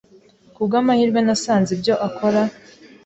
Ku bw'amahirwe nasanze ibyo akora.